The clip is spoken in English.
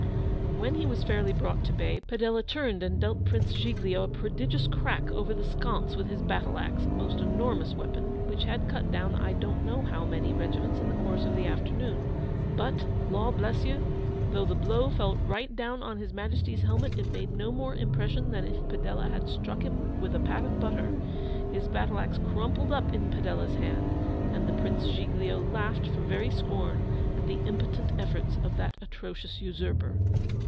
When he was fairly brought to bay, Padella turned and dealt Prince Giglio a prodigious crack over the sconce with his battle axe, a most enormous weapon, which had cut down I don't know how many regiments in the course of the afternoon. But, Law bless you! though the blow fell right down on His Majesty's helmet, it made no more impression than if Padella had struck him with a pat of butter: his battle axe crumpled up in Padella's hand, and the Royal Giglio laughed for very scorn at the impotent efforts of that atrocious usurper.